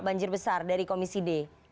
banjir besar dari komisi d